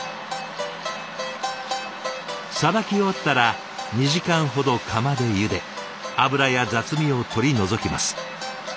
さばき終わったら２時間ほど釜でゆで脂や雑味を取り除きます。